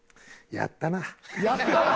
やったな。